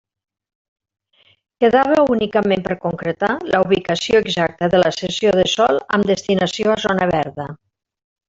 Quedava únicament per concretar la ubicació exacta de la cessió de sòl amb destinació a zona verda.